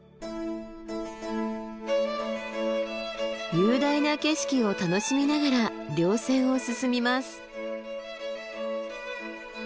雄大な景色を楽しみながら稜線を進みます。